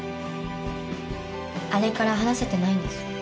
あれから話せてないんです。